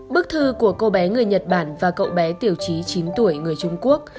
bức thư của cô bé người nhật bản và cậu bé tiểu trí chín tuổi người trung quốc